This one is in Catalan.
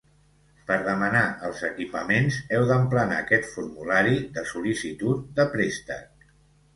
Per demanar els equipaments, heu d'emplenar aquest formulari de sol·licitud de préstec.